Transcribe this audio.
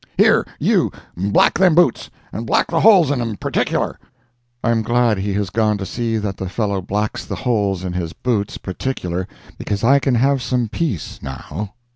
Here, you, black them boots, and black the holes in 'em particular." I am glad he has gone to see that the fellow blacks the holes in his boots "particular," because I can have some peace now.